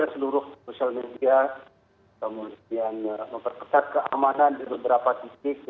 seluruh sosial media kemudian memperketat keamanan di beberapa titik